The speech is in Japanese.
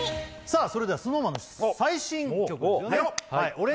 さあそれではＳｎｏｗＭａｎの最新曲ですよね